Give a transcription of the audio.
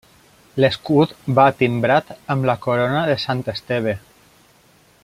L'escut va timbrat amb la Corona de Sant Esteve.